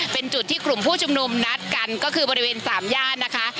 เป็นจุดที่กลุ่มผู้ชุมนุมนัดกันก็คือบริเวณสามย่านนะคะ